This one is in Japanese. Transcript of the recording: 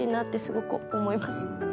すごく思います。